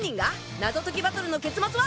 謎解きバトルの結末は？